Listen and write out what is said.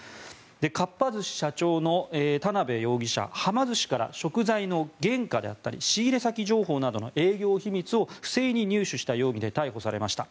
かっぱ寿司社長の田邊容疑者。はま寿司から食材の原価であったり仕入れ先情報などの営業秘密を不正に入手した容疑で逮捕されました。